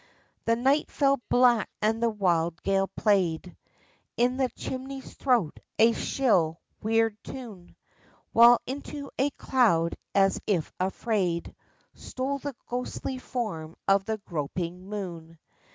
The night fell black and the wild gale played In the chimney's throat a shrill, weird tune, While into a cloud as if afraid Stole the ghostly form of the groping moon.